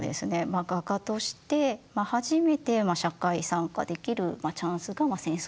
画家として初めて社会参加できるチャンスが戦争によって到来した。